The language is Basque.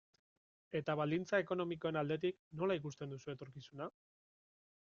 Eta baldintza ekonomikoen aldetik, nola ikusten duzu etorkizuna?